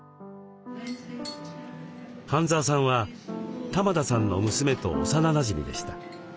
半澤さんは玉田さんの娘と幼なじみでした。